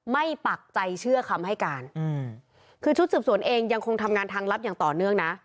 ปักใจเชื่อคำให้การอืมคือชุดสืบสวนเองยังคงทำงานทางลับอย่างต่อเนื่องนะ